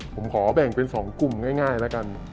ผมขอแบ่งเป็น๒กลุ่มง่ายแล้วกัน